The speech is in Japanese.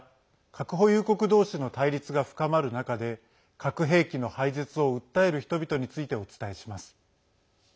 核保有国どうしの対立が深まる中で核兵器の廃絶を訴える人々についてお伝えします。